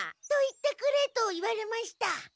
と言ってくれと言われました。